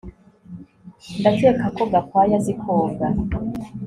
Ndakeka ko Gakwaya azi koga